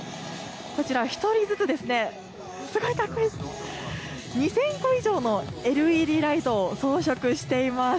こちら、１人ずつ、すごいかっこいい、２０００個以上のＬＥＤライトを装飾しています。